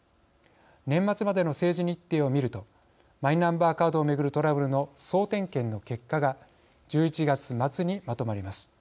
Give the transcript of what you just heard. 年内までの政治日程を見るとマイナンバーカードを巡るトラブルの総点検の結果が１１月末にまとまります。